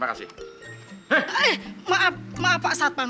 maaf pak satpan